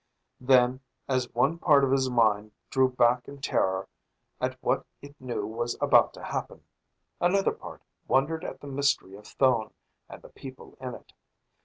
Then, as one part of his mind drew back in terror at what it knew was about to happen, another part wondered at the mystery of Thone and the people in it.